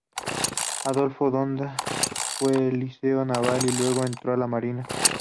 Adolfo Donda fue al Liceo Naval y luego entró en la Marina.